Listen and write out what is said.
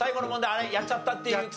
あれやっちゃったっていう。